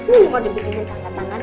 ini mau dibikinin tangan tangan